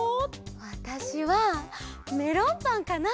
わたしはメロンパンかな！